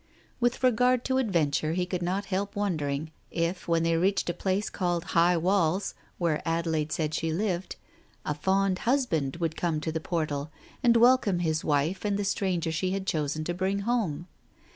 With regard to adventure, he could not help wonder ing if when they reached a place called High Walls, where Adelaide said she lived, a fond husband would come to the portal, and welcome his wife and the stranger she had chosen to bring home.